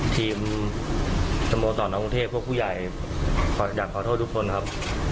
ทีมสมโตรนักองค์อุงเทพฯพวกผู้ใหญ่อยากขอโทษทุกคนครับ